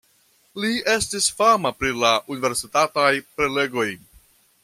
Li estis fama pri la universitataj prelegoj.